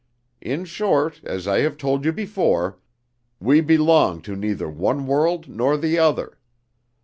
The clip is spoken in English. In short, as I have told you before, we belong to neither one world nor the other.